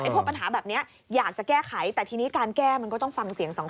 พวกปัญหาแบบนี้อยากจะแก้ไขแต่ทีนี้การแก้มันก็ต้องฟังเสียงสอง